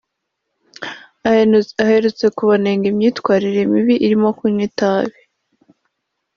aherutse kubanenga imyitwarire mibi irimo kunywa itabi